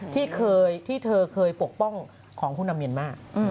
ที่เธอเคยปกป้องของคุณอำเมียนมาก